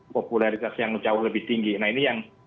popularitas yang jauh lebih tinggi nah ini yang